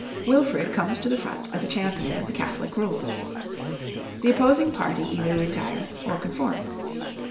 Wilfrid comes to the front as a champion of the Catholic rules. The opposing party either retire or conform.